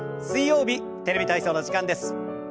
水曜日「テレビ体操」の時間です。